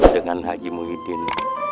dengan haji muhidin